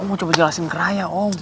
mau coba jelasin ke raya oh